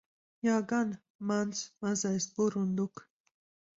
Jā gan, mans mazais burunduk.